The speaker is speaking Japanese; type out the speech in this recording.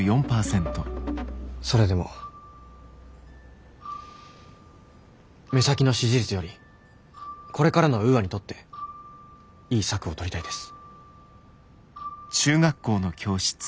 それでも目先の支持率よりこれからのウーアにとっていい策を取りたいです。